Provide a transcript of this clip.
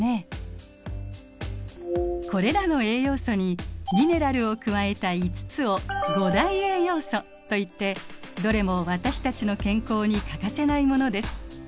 これらの栄養素にミネラルを加えた５つを五大栄養素といってどれも私たちの健康に欠かせないものです。